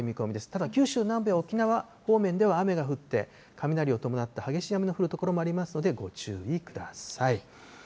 ただ九州南部や沖縄方面では雨が降って、雷を伴って激しい雨の降る所もありますので、ご注意ください。